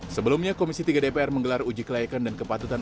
sebelumnya komisi tiga dpr menggelar uji kelayakan dan kepatutan